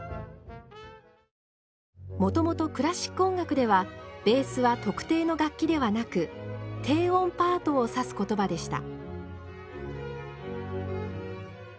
もともとクラシック音楽ではベースは特定の楽器ではなく低音パートを指す言葉でした。